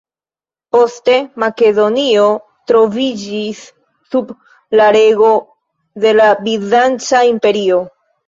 Poste, Makedonio troviĝis sub la rego de la Bizanca imperio.